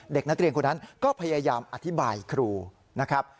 เด็กนักเรียนคนนั้นก็พยายามอธิบายครูนะครับ